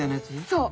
そう。